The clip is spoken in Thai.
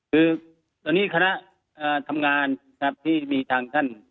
คือตอนนี้คณะทำงานครับที่มีทางท่าน